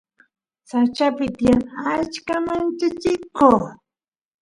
sachapi tiyan achka manchachiko